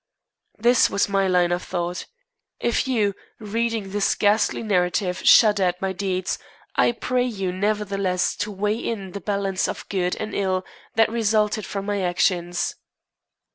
This was my line of thought. If you, reading this ghastly narrative, shudder at my deeds, I pray you nevertheless to weigh in the balance the good and ill that resulted from my actions.